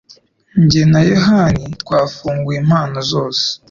Jye na yahani twafunguye impano zose